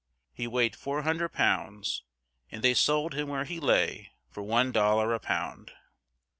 He weighed 400 pounds, and they sold him where he lay for one dollar a pound.